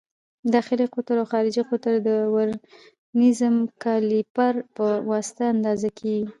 داخلي قطر او خارجي قطر یې د ورنیز کالیپر په واسطه اندازه کړئ.